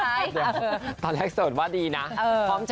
โอ้ยแต่ละอย่าง